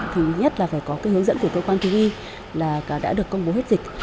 thì nhất là phải có cái hướng dẫn của cơ quan thú y là đã được công bố hết dịch